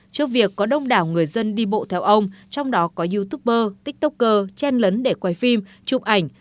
trước việc có đông đảo người dân đi bộ theo ông trong đó có youtuber tiktoker chen lấn để quay phim chụp ảnh